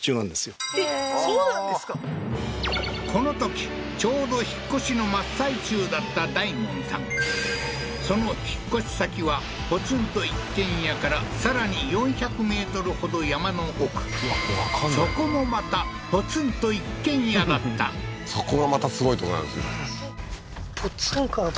このときちょうど引っ越しの真っ最中だった大門さんその引っ越し先はポツンと一軒家からさらに４００ｍほど山の奥そこもまたポツンと一軒家だったそこがまたすごいとこなんですよ